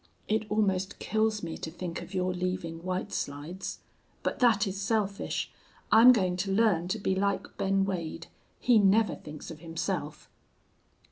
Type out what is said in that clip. It almost kills me to think of your leaving White Slides. But that is selfish. I'm going to learn to be like Ben Wade. He never thinks of himself.